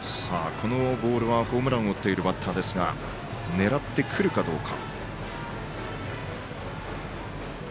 このボールはホームランを打っているバッターですが狙ってくるかどうか。